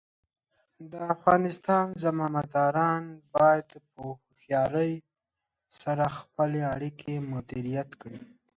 د افغانستان زمامداران باید په هوښیارۍ سره خپلې اړیکې مدیریت کړي.